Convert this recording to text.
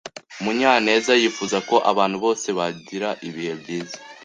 Munyanez yifuza ko abantu bose bagira ibihe byiza.